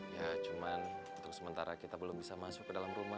ya cuman untuk sementara kita belum bisa masuk ke dalam rumah